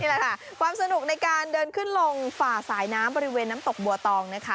แหละค่ะความสนุกในการเดินขึ้นลงฝ่าสายน้ำบริเวณน้ำตกบัวตองนะคะ